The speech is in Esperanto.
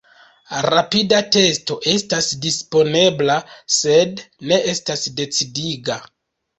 Rapida testo estas disponebla sed ne estas decidiga.